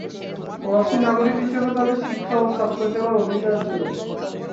ফরাসি নাগরিক হিসেবে তাদের শিক্ষা ও স্বাস্থ্যসেবার অধিকার ছিল।